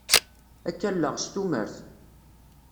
Ad k-alleɣ s tumert.